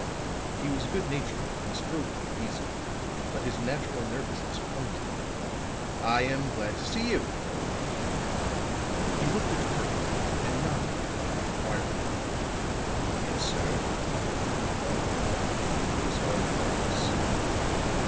He was good natured and strove to be easy; but his natural nervousness clung to him. "I am glad to see you." He looked at Curran and nodded at the three inquiringly. "Yes, sir," replied the clerk; "these are the parties."